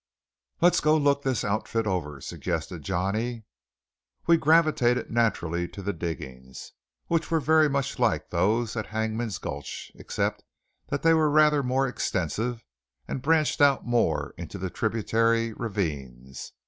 "Let's go look this outfit over," suggested Johnny. We gravitated naturally to the diggings, which were very much like those at Hangman's Gulch, except that they were rather more extensive, and branched out more into the tributary ravines.